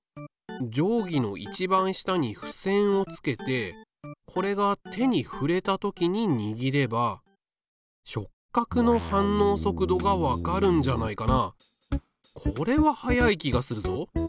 定規の一番下にふせんを付けてこれが手に触れた時ににぎれば触覚の反応速度がわかるんじゃないかなあ。